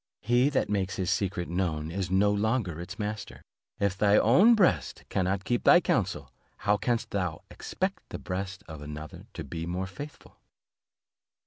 He that makes his secret known it no longer its master. If thy own breast cannot keep thy counsel, how canst thou expect the breast of another to be more faithful?'"